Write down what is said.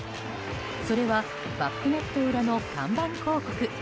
それはバックネット裏の看板広告。